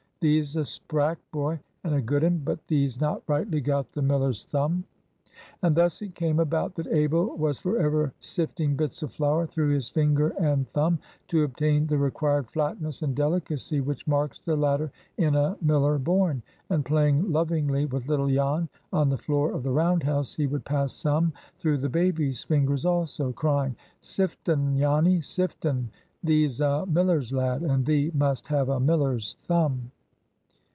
Thee's a sprack boy, and a good un, but thee's not rightly got the miller's thumb." And thus it came about that Abel was for ever sifting bits of flour through his finger and thumb, to obtain the required flatness and delicacy which marks the latter in a miller born; and playing lovingly with little Jan on the floor of the round house, he would pass some through the baby's fingers also, crying,— "Sift un, Janny! sift un! Thee's a miller's lad, and thee must have a miller's thumb."